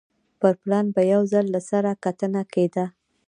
پر پلان به یو ځل له سره کتنه کېده